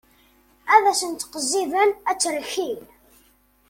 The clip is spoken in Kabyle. Ad sen-ttqezziben, ad tt-rkin.